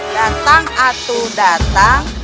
datang atu datang